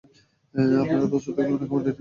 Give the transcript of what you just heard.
আপনারা প্রস্তুত থাকলে ওনাকে অডিটরিয়ামে নিয়ে আসি।